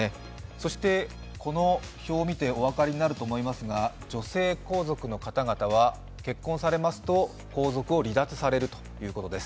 そしてこの表を見てお分かりになると思いますが女性皇族の方々は結婚されますと皇族を離脱されるということです。